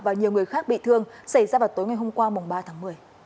và nhiều người khác bị thương xảy ra vào tối ngày hôm qua ba tháng một mươi